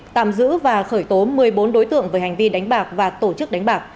tạm giữ và khởi tố một mươi bốn đối tượng về hành vi đánh bạc và tổ chức đánh bạc